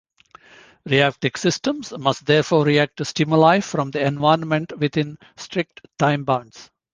Reactive systems must therefore react to stimuli from the environment within strict time bounds.